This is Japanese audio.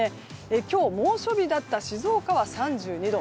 今日猛暑日だった静岡は３２度。